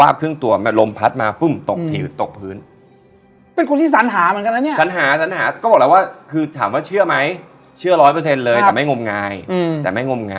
มันไม่ได้เป็นการรบกวนขนาดนั้น